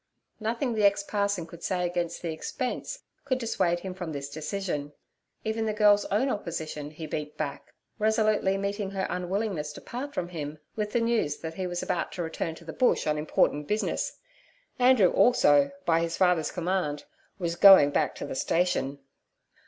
Nothing the ex parson could say against the expense could dissuade him from this decision. Even the girl's own opposition he beat back, resolutely meeting her unwillingness to part from him with the news that he was about to return to the Bush on important business. Andrew also, by his father's command, was going back to the station.